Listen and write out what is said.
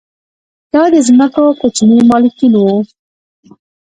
دا د ځمکو کوچني مالکین وو